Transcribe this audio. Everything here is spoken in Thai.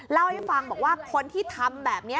เล่าให้ฟังบอกว่าคนที่ทำแบบนี้